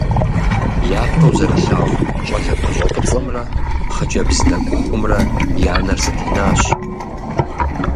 Япэу зэрылъагъу щӏалэ пащӏэфӏыцӏэмрэ хъыджэбз нэкӏухумрэ я нэр зэтенащ.